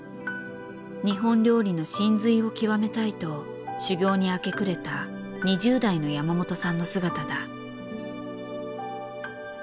日本料理の神髄を極めたいと修業に明け暮れた２０代の山本さんの姿だ。